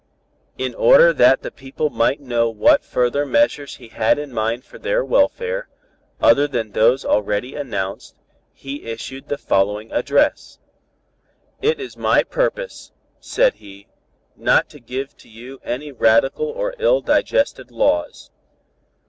In order that the people might know what further measures he had in mind for their welfare, other than those already announced, he issued the following address: "It is my purpose," said he, "not to give to you any radical or ill digested laws.